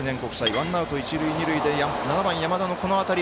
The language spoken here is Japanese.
ワンアウト、一塁二塁で７番、山田のこの当たり。